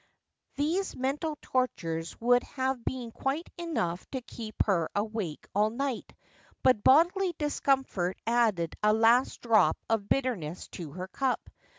These mental tortures would have been quite enough to keep her awake all night ; but bodily discomfort added a last drop of bitterness to her cup.